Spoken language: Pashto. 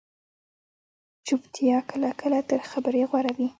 چُپتیا کله کله تر خبرې غوره وي